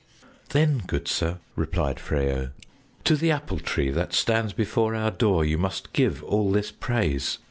"Then, good sir," replied Freyo, "to the Apple Tree that stands before our door you must give all this praise.